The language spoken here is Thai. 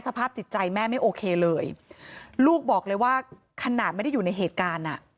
สภาพจิตใจแม่ไม่โอเคเลยลูกบอกเลยว่าขนาดไม่ได้อยู่ในเหตุการณ์อ่ะ